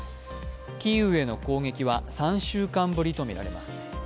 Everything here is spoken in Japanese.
キーウへの攻撃は３週間ぶりとみられます。